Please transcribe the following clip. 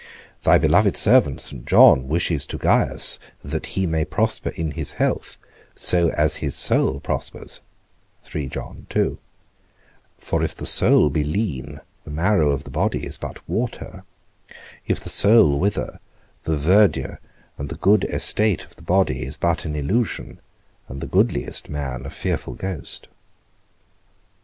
Thy beloved servant, St. John, wishes to Gaius, that he may prosper in his health, so as his soul prospers; for if the soul be lean the marrow of the body is but water; if the soul wither, the verdure and the good estate of the body is but an illusion and the goodliest man a fearful ghost.